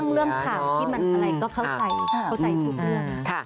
เรื่องข่าวที่มันอะไรก็เข้าใจเข้าใจทุกเรื่อง